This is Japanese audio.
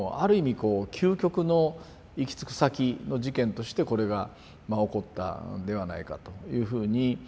こう究極の行き着く先の事件としてこれが起こったんではないかというふうにまあ思ってるんですね。